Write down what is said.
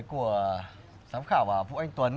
của giám khảo và vũ anh tuấn